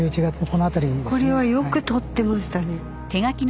これはよくとってましたね。